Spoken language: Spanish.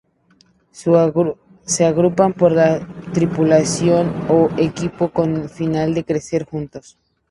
Se agrupan por la tripulación o equipo, con el fin de crecer juntos.